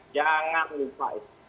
jangan lupa itu